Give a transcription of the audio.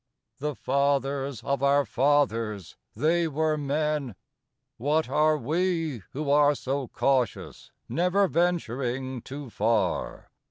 III The fathers of our fathers, they were men! What are we who are so cautious, never venturing too far!